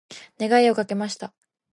願いをかけました。